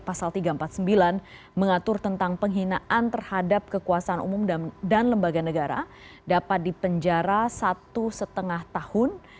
pasal tiga ratus empat puluh sembilan mengatur tentang penghinaan terhadap kekuasaan umum dan lembaga negara dapat dipenjara satu lima tahun